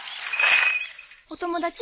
お友達？